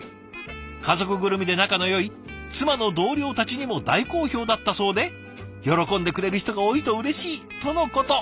家族ぐるみで仲のよい妻の同僚たちにも大好評だったそうで「喜んでくれる人が多いとうれしい！」とのこと。